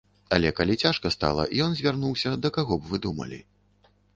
Але калі цяжка стала, ён звярнуўся да каго б вы думалі?